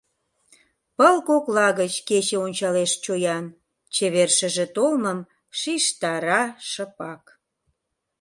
Пыл кокла гыч кече ончалеш чоян, Чевер шыже толмым шижтара шыпак.